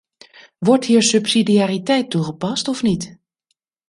Wordt hier subsidiariteit toegepast of niet?